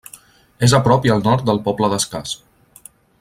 És a prop i al nord del poble d'Escàs.